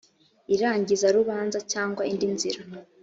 irangizarubanza cyangwa indi nzira